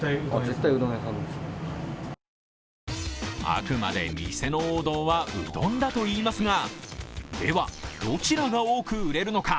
あくまで店の王道はうどんだといいますがでは、どちらが多く売れるのか？